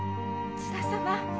津田様。